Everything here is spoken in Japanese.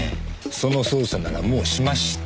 その捜査ならもうしました。